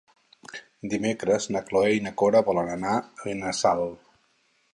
Dimecres na Cloè i na Cora volen anar a Benassal.